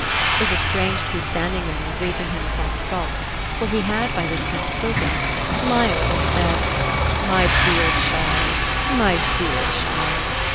It was strange to be standing there and greeting him across a gulf, for he had by this time spoken, smiled and said: "My dear child, my dear child!"